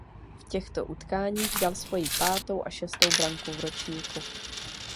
V těchto utkáních dal svoji pátou a šestou branku v ročníku.